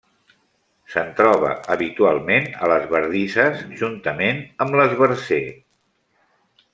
Se'n troba habitualment a les bardisses, juntament amb l'esbarzer.